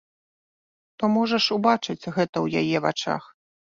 Ты можаш убачыць гэта ў яе вачах.